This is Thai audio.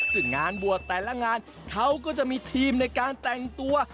ซึ่งงานบวชแต่ละงานเขาก็จะมีทีมในการแต่งตัว